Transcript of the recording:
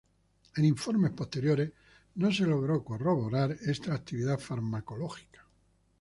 En informes posteriores no se logró corroborar esta actividad farmacológica.